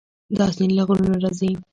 دا سیند له غرونو راځي.